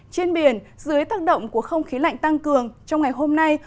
trên biển dưới tác động của không khí lạnh tăng cường trong ngày hôm nay